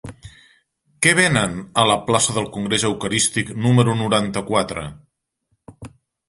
Què venen a la plaça del Congrés Eucarístic número noranta-quatre?